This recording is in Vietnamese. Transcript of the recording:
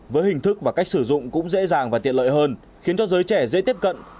với hình thức và cách sử dụng cũng dễ dàng và tiện lợi hơn khiến cho giới trẻ dễ tiếp cận